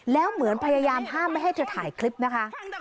แล้วเหมือนพยายามห้ามไม่ให้เธอถ่ายคลิปนะคะ